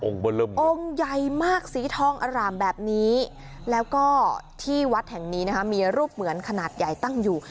องค์ใหญ่มากสีทองอร่ามแบบนี้แล้วก็ที่วัดแห่งนี้นะคะมีรูปเหมือนขนาดใหญ่ตั้งอยู่